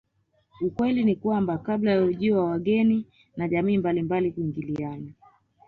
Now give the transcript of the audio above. Ukweli ni kwamba kabla ya ujio wa wageni na jamii mbalilnmbali kuingiliana